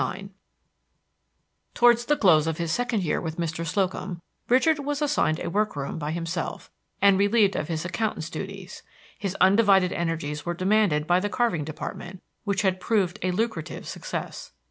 IX Towards the close of his second year with Mr. Slocum, Richard was assigned a work room by himself, and relieved of his accountant's duties. His undivided energies were demanded by the carving department, which had proved a lucrative success.